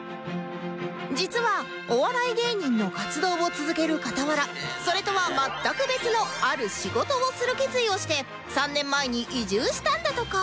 実はお笑い芸人の活動を続ける傍らそれとは全く別のある仕事をする決意をして３年前に移住したんだとか